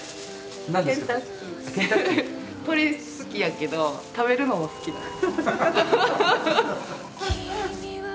鳥好きやけど食べるのも好きなの。